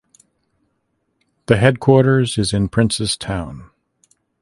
The headquarters is in Princes Town.